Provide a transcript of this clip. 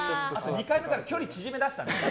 ２回目から距離縮めだしたね。